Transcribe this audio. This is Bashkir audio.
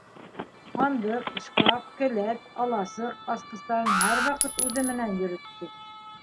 Һандыҡ, шкаф, келәт, аласыҡ асҡыстарын һәр ваҡыт үҙе менән йөрөттө.